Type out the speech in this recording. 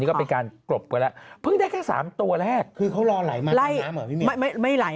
คุณก็ช่องตัวกันมานานแล้ว